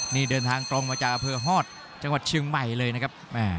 นี่เดินทางตรงมาจากอำเภอฮอตจังหวัดเชียงใหม่เลยนะครับ